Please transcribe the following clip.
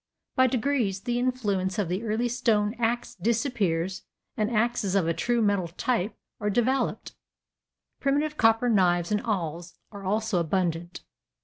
By degrees the influence of the early stone axe disappears and axes of a true metal type are developed. Primitive copper knives and awls are also abundant.